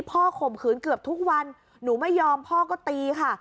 ข่มขืนเกือบทุกวันหนูไม่ยอมพ่อก็ตีค่ะ